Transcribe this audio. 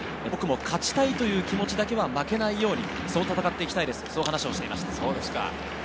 僕も勝ちたいという気持ちだけは負けないように、そう戦っていきたいですと話をしていました。